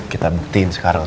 kita buktiin sekarang